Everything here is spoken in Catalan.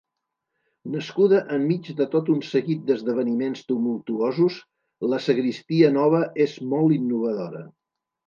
Nascuda enmig de tot un seguit d'esdeveniments tumultuosos, la Sagristia Nova és molt innovadora.